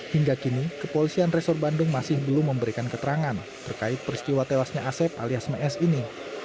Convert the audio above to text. hingga kini kepolisian resor bandung masih belum memberikan keterangan terkait peristiwa tewasnya asep alias mes ini